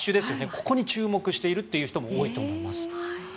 ここに注目しているという人も多いと思います。